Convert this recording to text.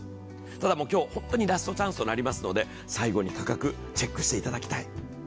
ただもう、今日本当にラストチャンスとなりますので最後に価格、チェックしていただきたい。